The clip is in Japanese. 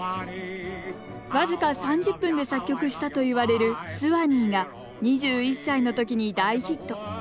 僅か３０分で作曲したといわれる「スワニー」が２１歳の時に大ヒット。